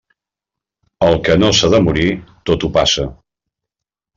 El que no s'ha de morir, tot ho passa.